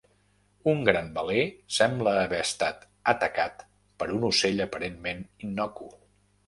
Un gran veler sembla haver estat atacat per un ocell aparentment innocu.